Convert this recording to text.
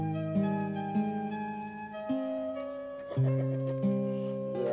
menjadi kemampuan anda